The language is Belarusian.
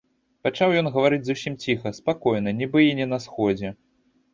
Пачаў ён гаварыць зусім ціха, спакойна, нібы і не на сходзе.